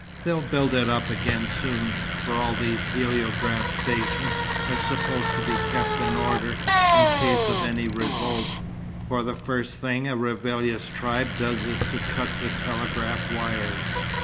They'll build it up again soon, for all these heliograph stations are supposed to be kept in order, in case of any revolt; for the first thing a rebellious tribe does is to cut the telegraph wires.